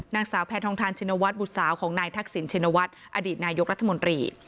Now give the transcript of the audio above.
นางสาวแพทองทานชินวัฒนบุตรสาวของนายทักษิณชินวัฒน์อดีตนายกรัฐมนตรี